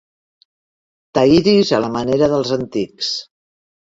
T'aïris a la manera dels antics.